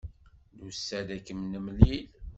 Nusa-d ad kem-nemlil.